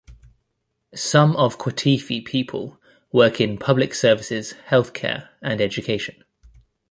Some of Qatifi people work in public services, health care and education.